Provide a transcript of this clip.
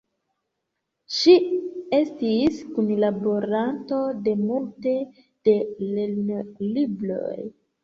Ŝi estis kunlaboranto de multe da lernolibroj.